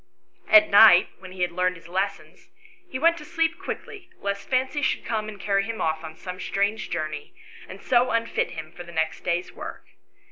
At night, when he had learned his lessons, he went to sleep quickly lest Fancy should come and carry him off on some strange journey, and so unfit him for the next day's work.